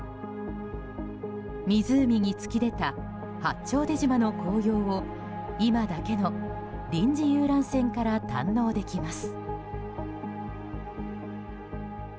湖に突き出た八丁出島の紅葉を今だけの臨時遊覧船から堪能できます。